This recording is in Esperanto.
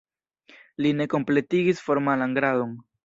Li ne kompletigis formalan gradon.